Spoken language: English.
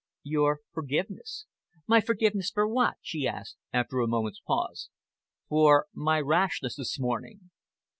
"Your forgiveness." "My forgiveness for what?" she asked, after a moment's pause. "For my rashness this morning."